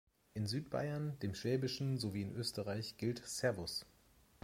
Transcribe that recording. In Südbayern, dem Schwäbischen sowie in Österreich gilt "Servus".